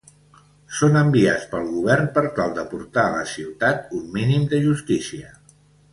Són enviats pel govern per tal d'aportar a la ciutat un mínim de justícia.